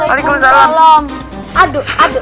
aduh aduh aduh aduh